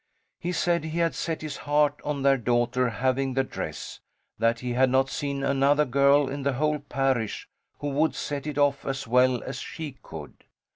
He said he had set his heart on their daughter having the dress, that he had not seen another girl in the whole parish who would set it off as well as she could.